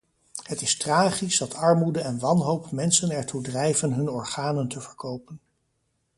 Het is tragisch dat armoede en wanhoop mensen ertoe drijven hun organen te verkopen.